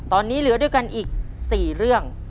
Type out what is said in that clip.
ตอนนี้เหลือด้วยกันอีก๔เรื่อง